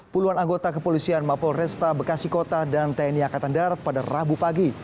puluhan anggota kepolisian mapolresta bekasi kota dan tni akatan darat pada rabu pagi